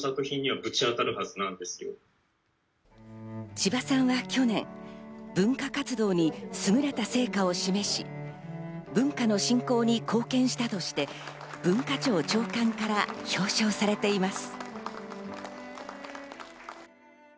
千葉さんは去年、文化活動に優れた成果を示し、文化の振興に貢献したとして文化庁長官から表彰されています。